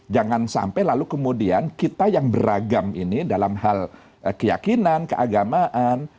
jangan sampai lalu kemudian kita yang beragam ini dalam hal keyakinan keagamaan